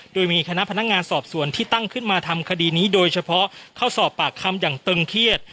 โดยมีคณะพนักงานสอบสวนที่ตั้งขึ้นมาทำคดีนี้โดยเฉพาะเข้าสอบปากคำอย่างตึงเครียด